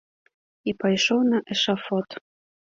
І пайшоў на эшафот.